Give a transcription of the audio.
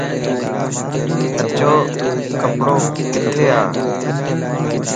اچو ڪپڙو ڪٿي ا